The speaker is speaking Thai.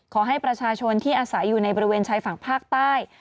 ขอให้ประชาชนที่อาศัยอยู่ในบริเวณชายฝั่งภาคใต้